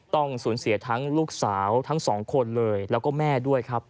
ต้องสูญเสียทั้งลูกสาวทั้งสองคนเลยแล้วก็แม่ด้วยครับ